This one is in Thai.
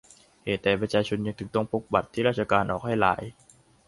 เหตุใดประชาชนถึงยังต้องพกบัตรที่ราชการออกให้หลาย